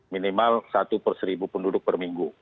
minimal satu per seribu penduduk per minggu